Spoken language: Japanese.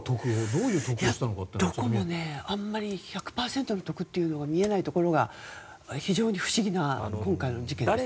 どこもあんまり１００％の得が見えないところが非常に不思議な事件ですね。